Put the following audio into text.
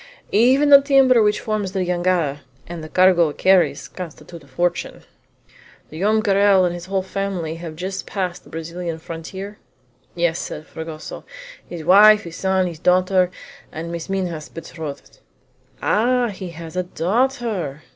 Even the timber which forms the jangada, and the cargo it carries, constitute a fortune!" "The Joam Garral and his whole family have just passed the Brazilian frontier?" "Yes," said Fragoso; "his wife, his son, his daughter, and Miss Minha's betrothed." "Ah! he has a daughter?"